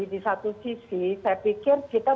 disatu sisi saya pikir kita